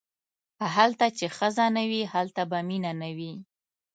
هلته چې ښځه نه وي هلته به مینه نه وي.